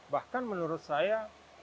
bahkan menurut saya